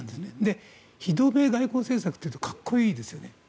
非同盟外交政策というとかっこいいですよね。